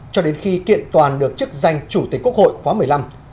cho đến khi kiện toàn được chức danh chủ tịch quốc hội khóa một mươi năm theo quy định